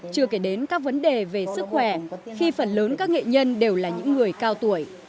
chưa kể đến các vấn đề về sức khỏe khi phần lớn các nghệ nhân đều là những người cao tuổi